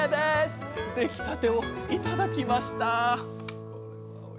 出来たてを頂きました！